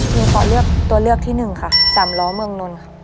หนูขอเลือกตัวเลือกที่หนึ่งค่ะสามล้อเมืองนนท์ค่ะ